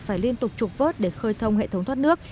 phải liên tục trục vớt để khơi thông hệ thống thoát nước